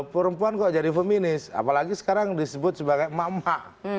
perempuan kok jadi feminis apalagi sekarang disebut sebagai mama